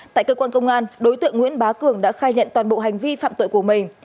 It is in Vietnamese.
tại cơ quan công an đối tượng nguyễn bá cường đã khai nhận toàn bộ hành vi phạm tội của mình